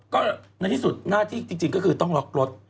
ก็ในที่สุดหน้าที่จริงก็คือต้องล็อกรถ